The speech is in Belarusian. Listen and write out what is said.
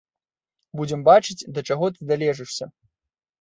Будзем бачыць, да чаго далежышся.